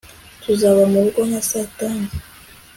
tuzaba murugo nka saatanu